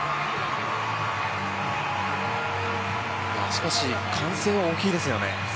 しかし、歓声は大きいですよね。